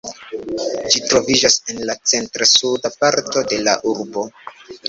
Ĝi troviĝas en la centr-suda parto de la urbo.